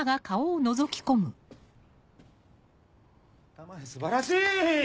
田前素晴らしい！